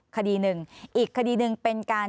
คดีหนึ่งอีกคดีหนึ่งเป็นการ